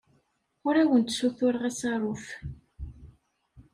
Ur awent-ssutureɣ asaruf.